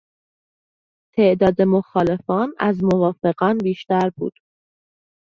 تعداد مخالفان از موافقان بیشتر بود.